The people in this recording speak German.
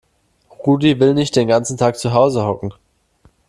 Rudi will nicht den ganzen Tag zu Hause hocken.